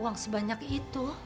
uang sebanyak itu